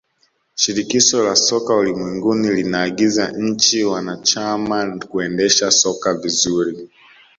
shirikisho la soka ulimwenguni linaagiza nchi wanachama kuendesha soka vizuri